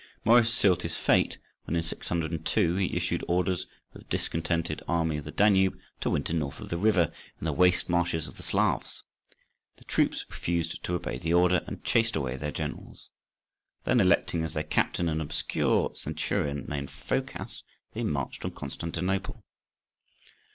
Maurice sealed his fate when, in 602, he issued orders for the discontented army of the Danube to winter north of the river, in the waste marshes of the Slavs. The troops refused to obey the order, and chased away their generals. Then electing as their captain an obscure centurion, named Phocas, they marched on Constantinople.